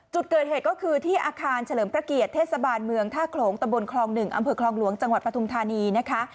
จุดเกิดเหตุก็คือที่อาคารเฉลิมพระเกียรติเทศบาลเมืองท่าโขลงตะบนคลอง๑อำเภอคลองหลวงจังหวัดปฐุมธานีนะคะ